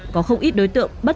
có không ít đối tượng bất tử